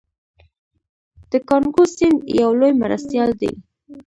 د کانګو سیند یو لوی مرستیال دی.